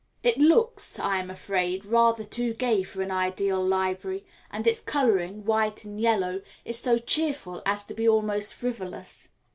It looks, I am afraid, rather too gay for an ideal library; and its colouring, white and yellow, is so cheerful as to be almost frivolous.